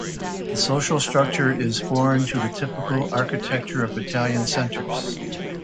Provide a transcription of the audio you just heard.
The social structure is foreign to the typical architecture of Italian centers.